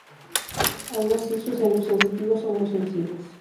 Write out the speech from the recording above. Aun así, sus nervios sensitivos son muy sensibles.